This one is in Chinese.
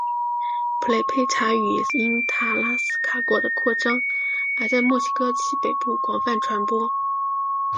普雷佩查语因塔拉斯卡国的扩张而在墨西哥西北部广泛传播。